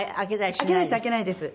開けないです開けないです。